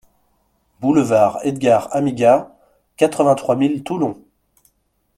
Boulevard Edgar Amigas, quatre-vingt-trois mille Toulon